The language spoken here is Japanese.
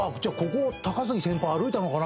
ここ高杉先輩歩いたのかな？